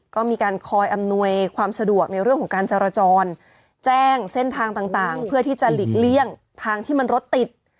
ก็มีการคอยอำนวยความสะดวกในเรื่องของการจราจรแจ้งเส้นทางต่างเพื่อที่จะหลีกเลี่ยงทางที่มันรถติด